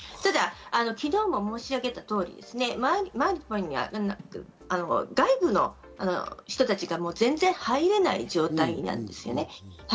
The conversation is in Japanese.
昨日も申し上げた通り、外部の人たちが全然入れない状態なんですよね。